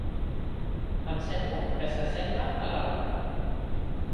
Em sembla que s'assembla a l'altra.